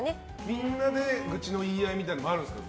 みんなで愚痴の言い合いみたいなこともあるんですか？